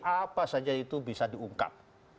apa saja itu bisa diungkap